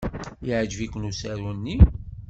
Yeɛjeb-iken usaru-nni?